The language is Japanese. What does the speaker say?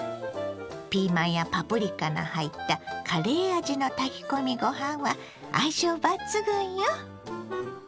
ピーマンやパプリカの入ったカレー味の炊き込みご飯は相性抜群よ。